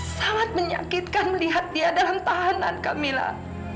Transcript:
sangat menyakitkan melihat dia dalam tahanan camillah